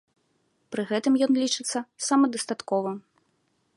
Пры гэтым ён лічыцца самадастатковым.